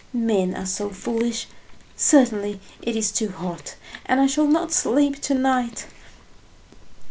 Men are so foolish! Certainly, it is too hot, and I shall not sleep to night."